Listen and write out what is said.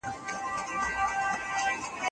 د اجناسو او خدماتو د ډېرولو پروسې دوام درلود.